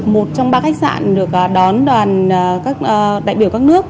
một trong ba khách sạn được đón đoàn các đại biểu các nước